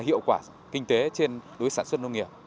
hiệu quả kinh tế trên đối sản xuất nông nghiệp